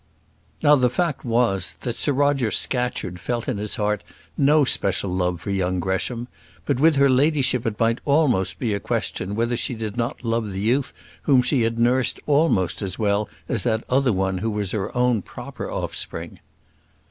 Now the fact was, that Sir Roger Scatcherd felt in his heart no special love for young Gresham; but with her ladyship it might almost be a question whether she did not love the youth whom she had nursed almost as well as that other one who was her own proper offspring.